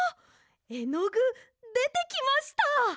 えのぐでてきました。